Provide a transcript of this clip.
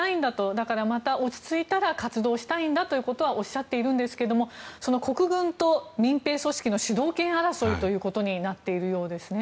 だから落ち着いたら活動したいんだということはおっしゃっているんですが国軍と民兵組織の主導権争いということになっているようですね。